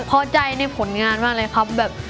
พอใจในผลงานมากเลยครับแบบ